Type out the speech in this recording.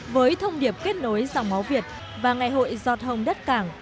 với thông điệp kết nối dòng máu việt và ngày hội giọt hồng đất cảng